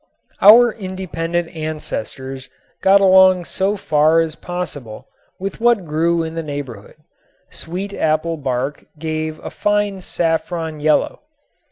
Our independent ancestors got along so far as possible with what grew in the neighborhood. Sweetapple bark gave a fine saffron yellow.